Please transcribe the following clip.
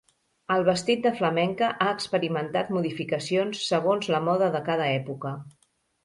El vestit de flamenca ha experimentat modificacions segons la moda de cada època.